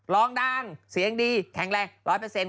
ร้องดังเสียงดีแข็งแรง